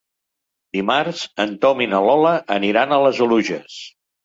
Dimarts en Tom i na Lola aniran a les Oluges.